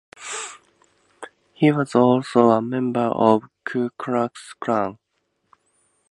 He was also a member of the Ku Klux Klan.